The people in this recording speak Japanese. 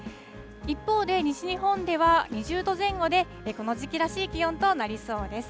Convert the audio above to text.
一方で西日本では２０度前後で、この時期らしい気温となりそうです。